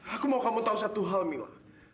aku mau kamu tahu satu hal mila